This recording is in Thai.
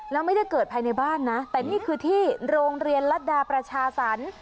แล้วไม่ได้เกิดภายในบ้านนะแต่นี่คือที่โรงเรียนรัฐดาประชาสรรค์